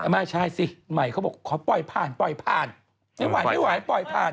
ไม่ใช่สิใหม่เขาบอกขอปล่อยผ่านปล่อยผ่านไม่ไหวไม่ไหวปล่อยผ่าน